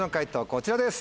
こちらです。